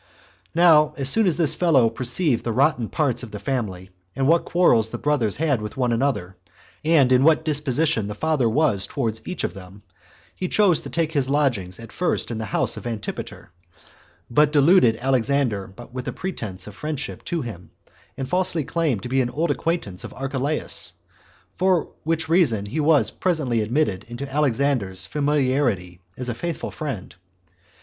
41 2. Now as soon as this fellow perceived the rotten parts of the family, and what quarrels the brothers had one with another, and in what disposition the father was towards each of them, he chose to take his lodging at the first in the house of Antipater, but deluded Alexander with a pretense of friendship to him, and falsely claimed to be an old acquaintance of Archelaus; for which reason he was presently admitted into Alexander's familiarity as a faithful friend.